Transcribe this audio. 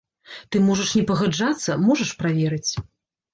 Ты можаш не пагаджацца, можаш праверыць.